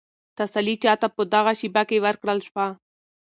تسلي چا ته په دغه شېبه کې ورکړل شوه؟